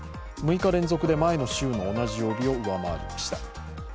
６日連続で前の週の同じ曜日を上回りました。